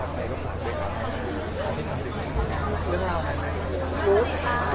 พี่เปิดกล้องเวงสองเรื่องนะครับมีเรียนรักอยู่อีกยาวนะครับ